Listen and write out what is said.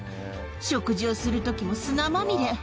食事をするときも砂まみれ。